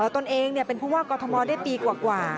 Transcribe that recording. ตนเองเป็นผู้ว่ากอทมได้ปีกว่า